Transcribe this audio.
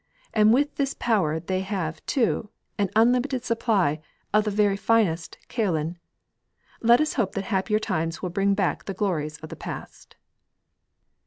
And with this power they have, too, an unlimited supply of the very finest kaolin. Let us hope that happier times will bring back the glories of the past.